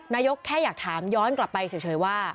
แค่อยากถามย้อนกลับไปเฉยว่า